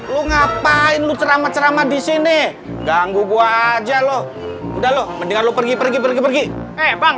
lu ngapain lu ceramah ceramah di sini ganggu gue aja loh udah lu mendingan lu pergi pergi pergi eh bang